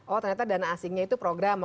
oh ternyata dana asingnya itu program